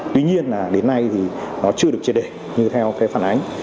tuy nhiên là đến nay thì nó chưa được triệt đề như theo cái phản ánh